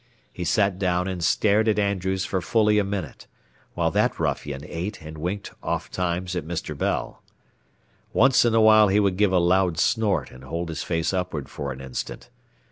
He sat down and stared at Andrews for fully a minute, while that ruffian ate and winked ofttimes at Mr. Bell. Once in a while he would give a loud snort and hold his face upward for an instant.